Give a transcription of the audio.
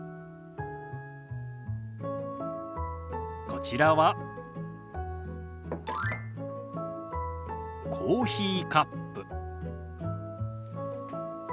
こちらはコーヒーカップ。